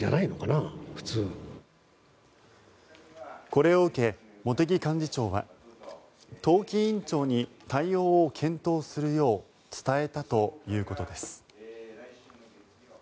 これを受け茂木幹事長は党紀委員長に対応を検討するよう伝えたということです。